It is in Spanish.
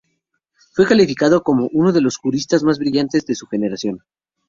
Fue calificado como "uno de los juristas más brillantes de su generación".